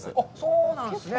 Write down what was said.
そうなんですね。